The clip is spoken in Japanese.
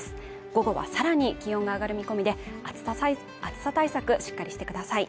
午後はさらに気温が上がる見込みで暑さ対策しっかりしてください